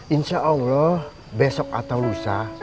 insya allah besok atau lusa